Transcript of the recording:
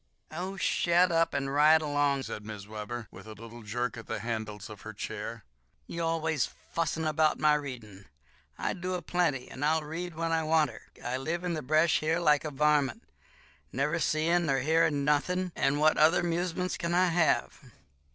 "Oh, shet up and ride along," said Mrs. Webber, with a little jerk at the handles of her chair; "you always fussin' 'bout my readin'. I do a plenty; and I'll read when I wanter. I live in the bresh here like a varmint, never seein' nor hearin' nothin', and what other 'musement kin I have?